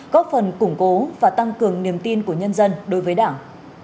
góp phần củng cố và tăng cường niềm tin của nhân dân đối với đảng